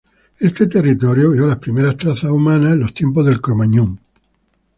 Este territorio vio las primeras trazas humanas en los tiempos de Cro-Magnon.